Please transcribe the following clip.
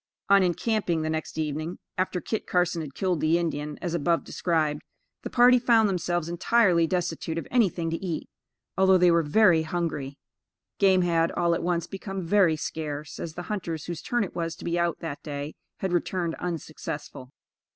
On encamping the next evening, after Kit Carson had killed the Indian, as above described, the party found themselves entirely destitute of anything to eat, although they were very hungry. Game had, all at once, become very scarce, as the hunters whose turn it was to be out that day, had returned unsuccessful.